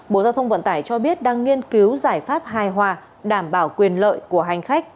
bộ giao thông vận tải cho biết đang nghiên cứu giải pháp hài hòa đảm bảo quyền lợi của hành khách